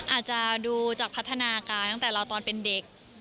อาจจะดูจากพัฒนาการตั้งแต่เราตอนเป็นเด็ก